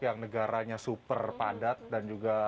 yang negaranya super padat dan juga